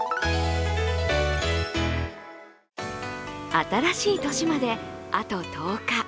新しい年まで、あと１０日。